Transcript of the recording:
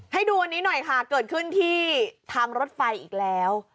ให้ดูอันนี้หน่อยค่ะเกิดขึ้นที่ทางรถไฟอีกแล้ว